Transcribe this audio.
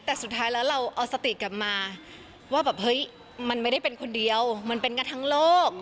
แต่สุดท้ายแล้วเราเอาสติกลับมาว่าแบบเฮ้ยมันไม่ได้เป็นคนเดียวมันเป็นกันทั้งโลก